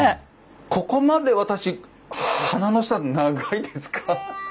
ここまで私鼻の下長いですか？